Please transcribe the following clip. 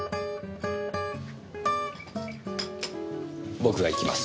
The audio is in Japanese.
僕が行きます。